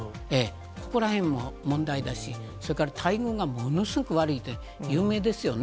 ここらへんも問題だし、それから待遇がものすごく悪いことで有名ですよね。